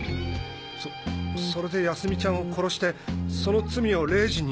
そそれで泰美ちゃんを殺してその罪を玲治に。